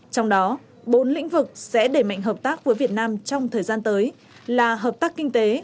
trong đó bốn lĩnh vực sẽ đẩy mạnh hợp tác với việt nam trong thời gian tới là hợp tác kinh tế